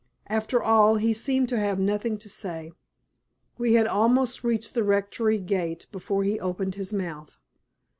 After all he seemed to have nothing to say. We had almost reached the Rectory gate before he opened his mouth.